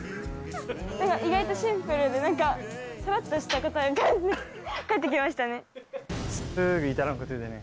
意外とシンプルで何かさらっとした答え返って来ましたね。